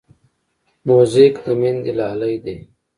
موزیک د میندې لالې دی.